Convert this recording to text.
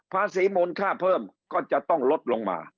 มูลค่าเพิ่มก็จะต้องลดลงมา